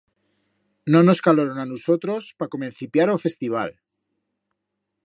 Nos nos caloron a nusotros pa comencipiar o Festival.